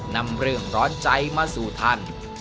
นำเรื่องร้อนใจมาสู่ท่าน